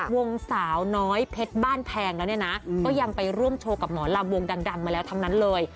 วงสาวน้อยเพชรบ้านแพงแล้วเนี่ยนะก็ยังไปร่วมโชว์กับหมอลำวงดังมาแล้วทั้งนั้นเลย